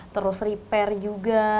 terus repair juga